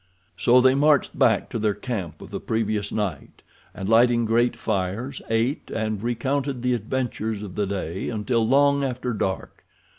So they marched back to their camp of the previous night, and, lighting great fires, ate and recounted the adventures of the day until long after dark.